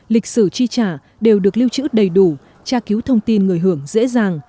lịch sử chi trả đều được lưu trữ đầy đủ tra cứu thông tin người hưởng dễ dàng